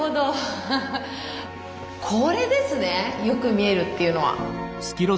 フフッこれですねよく見えるっていうのは。